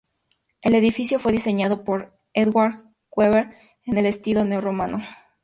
El edificio fue diseñado por Edward Weber en el estilo neo-romano.